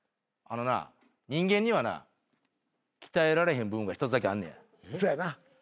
あのな人間にはな鍛えられへん部分が一つだけあんねや。